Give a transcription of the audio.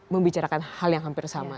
membicarakan hal yang hampir sama